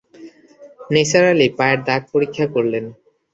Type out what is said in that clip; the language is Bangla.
নিসার আলি পায়ের দাগ পরীক্ষা করলেন।